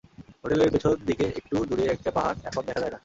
হোটেলের পেছন দিকে একটু দূরে একটা পাহাড়, এখন দেখা যায় না।